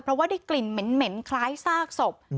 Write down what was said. เพราะว่าได้กลิ่นเหม็นคล้ายซากศพ